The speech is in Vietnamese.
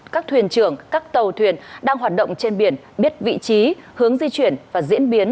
các thuyền trưởng các tàu thuyền đang hoạt động trên biển biết vị trí hướng di chuyển và diễn biến